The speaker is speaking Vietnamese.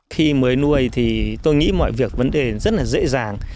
khi mới nuôi thì tôi nghĩ mọi việc vấn đề rất là dễ dàng